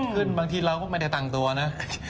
ขึ้นบางทีเราก็ไม่ได้แต่งตัวนะ